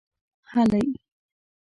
هلئ!